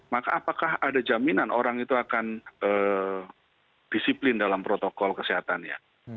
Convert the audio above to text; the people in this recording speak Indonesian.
maka apakah ada jaminan orang itu akan disiplin dalam protokol kesehatannya